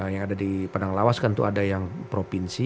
yang ada di padang lawas kan itu ada yang provinsi